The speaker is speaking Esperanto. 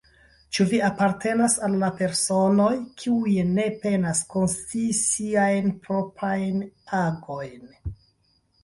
Ĉu vi apartenas al la personoj, kiuj ne penas konscii siajn proprajn agojn?